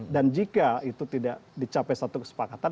dan jika itu tidak dicapai satu kesepakatan